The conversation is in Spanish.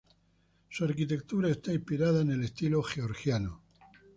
Su arquitectura está inspirada en el estilo georgiano.